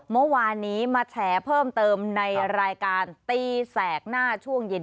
เมื่อวานนี้มาแฉเพิ่มเติมในรายการตีแสกหน้าช่วงเย็น